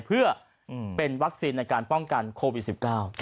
เพื่อเป็นวัคซีนในการป้องกันโควิด๑๙